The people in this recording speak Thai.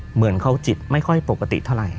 เหมือนเขาจิตไม่ค่อยปกติเท่าไหร่